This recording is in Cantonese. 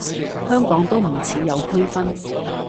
香港都唔似有區分